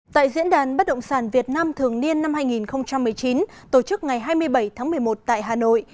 tại diễn đàn bất động sản việt nam thường niên năm hai nghìn một mươi chín tổ chức ngày hai mươi bảy tháng một mươi một tại hà nội